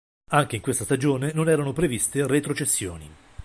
Anche in questa stagione non erano previste retrocessioni.